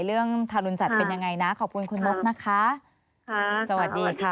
เรื่องทารุณสัตว์เป็นยังไงนะขอบคุณคุณนกนะคะค่ะสวัสดีค่ะ